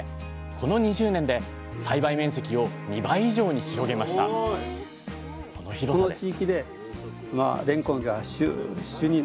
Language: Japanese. この２０年で栽培面積を２倍以上に広げましたこんにちは！